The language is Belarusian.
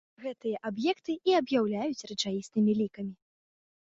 Гэтыя аб'екты і аб'яўляюць рэчаіснымі лікамі.